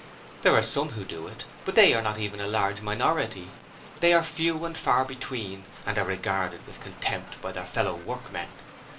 There are some who do, but they are not even a large minority. They are few and far between, and are regarded with contempt by their fellow workmen.